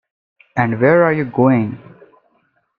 And where are you going?